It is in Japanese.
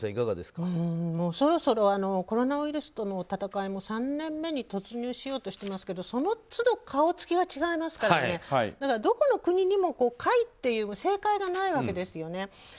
そろそろコロナウイルスとの闘いも３年目に突入しようとしてますけどその都度顔つきが違いますからねどこの国にも正解がないわけですよね。